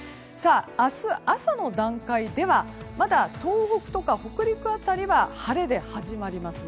明日朝の段階ではまだ東北とか北陸辺りは晴れで始まります。